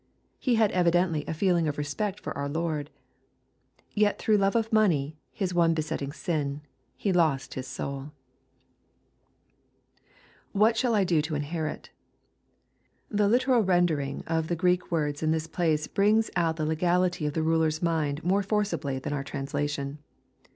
He had evidently a feeling of respect for our Lord. Yet through love of money, his one besetting sin, he lost his souL [What shall I do to inherit^ The literal rendering of the Greek words in this place brings out the legality of the ruler's mind more forcibly than our translation.